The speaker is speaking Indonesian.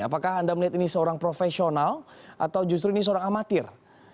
apakah anda melihat ini seorang profesional atau justru ini seorang amatir